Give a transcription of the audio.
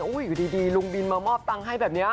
อยู่ดีลุงบินมามอบตังค์ให้แบบนี้